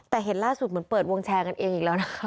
แต่เห็นล่าสุดเหมือนเปิดวงแชร์กันเองอีกแล้วนะคะ